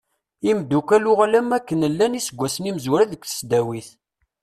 Imddukal uɣal am wakken llan iseggasen imezwura deg tesdawit.